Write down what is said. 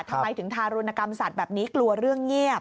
ทำไมถึงทารุณกรรมสัตว์แบบนี้กลัวเรื่องเงียบ